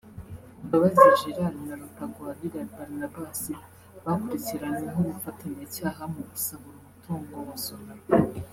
Mbabazi Gerard na Rutagwabira Barnabas bakurikiranweho ubufatanyacyaha mu gusahura umutungo wa Sonarwa